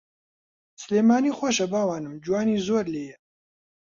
سلێمانی خۆشە باوانم جوانی زۆر لێیە